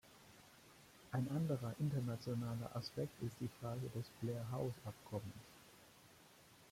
Ein anderer internationaler Aspekt ist die Frage des Blair-House-Abkommens.